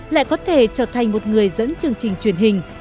lại có thể trở thành một người dẫn chương trình truyền hình